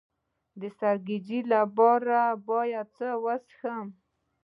د سرګیچي لپاره باید څه شی وڅښم؟